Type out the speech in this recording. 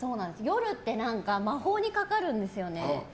夜って魔法にかかるんですよね。